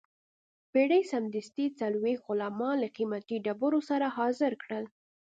پیري سمدستي څلوېښت غلامان له قیمتي ډبرو سره حاضر کړل.